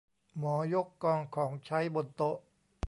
หมอยกกองของใช้บนโต๊ะ